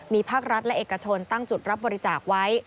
มีภาครัฐและเอกชนตั้งจุดรับบริจาคไว้